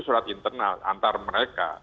surat internal antar mereka